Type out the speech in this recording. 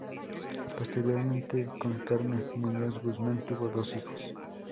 Posteriormente, con Carmen Muñoz Guzmán, tuvo dos hijos.